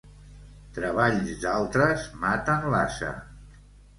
Treballs d'altres maten l'ase.